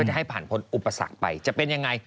จะให้ผ่านพ้นอุปสรรคไปจะเป็นยังไง